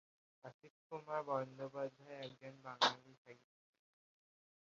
অসিতকুমার বন্দ্যোপাধ্যায় একজন বাঙালি সাহিত্যিক।